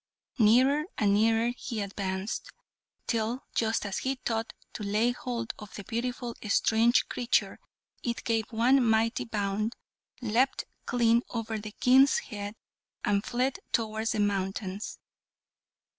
Nearer and nearer he advanced, till, just as he thought to lay hold of the beautiful strange creature, it gave one mighty bound, leapt clean over the King's head, and fled towards the mountains.